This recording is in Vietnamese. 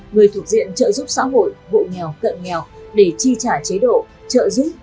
người thuộc diện trợ giúp xã hội hộ nghèo cận nghèo để chi trả chế độ trợ giúp